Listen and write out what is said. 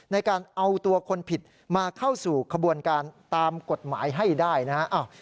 ในการเอาตัวคนผิดมาเข้าสู่ขบวนการตามกฎหมายให้ได้นะฮะ